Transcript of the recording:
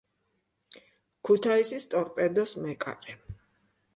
ქუთაისის „ტორპედოს“ მეკარე.